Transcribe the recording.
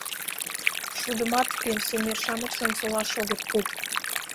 Шудымат пенсионер-шамычлан солаш огыт пу.